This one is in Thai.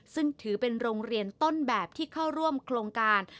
ซึ่งถือเป็นโรงเรียนต้นแบบที่เข้าร่วมโครงการ